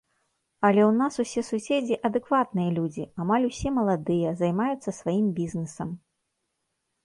Але ў нас усе суседзі адэкватныя людзі, амаль усе маладыя, займаюцца сваім бізнесам.